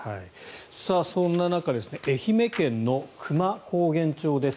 そんな中愛媛県の久万高原町です。